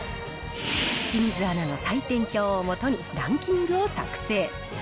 清水アナの採点表をもとにランキングを作成。